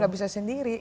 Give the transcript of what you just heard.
gak bisa sendiri